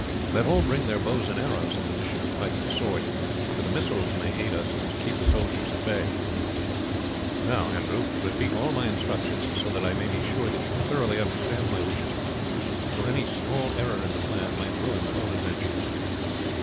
Let all bring their bows and arrows, in addition to pike and sword, for the missiles may aid us to keep the soldiers at bay. Now, Andrew, repeat all my instructions, so that I may be sure that you thoroughly understand my wishes, for any small error in the plan might ruin the whole adventure."